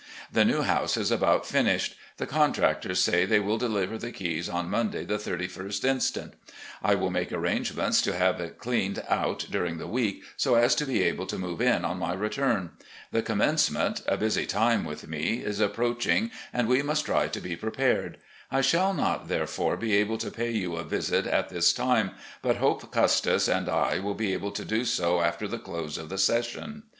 The new house is about finished. The contractors say they will deliver the keys on Monday, the 31st inst. I will make arrangements to have it cleaned out during the week, so as to be able to move in on my return. The commencement, a busy time with me, is approaching, and we must try to be prepared. I shall not, therefore, be able to pay you a visit at this time, but hope Custis and I will be able to do so after the close of the session.